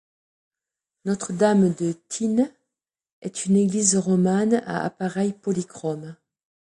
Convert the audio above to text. Notre-Dame de Thines est une église romane à appareil polychrome.